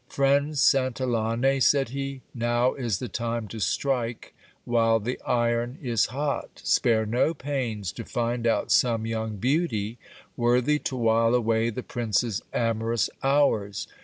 Friend Santillane, said he, now is the time to strike while the iron is hot. Spare no pains to find out some young beauty, worthy to while away the prince's amorous hours.